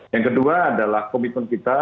yang kedua adalah komitmen kita